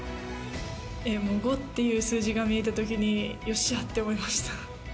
もう、５っていう数字が見えたときに、よっしゃって思いました。